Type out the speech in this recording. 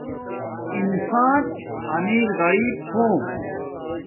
انسان امیر غریپ چھوم